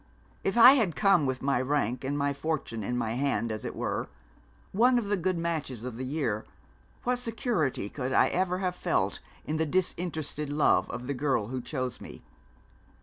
If I had come with my rank and my fortune in my hand, as it were one of the good matches of the year what security could I ever have felt in the disinterested love of the girl who chose me?